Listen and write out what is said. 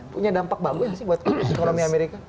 punya dampak bagus sih buat kondisi ekonomi amerika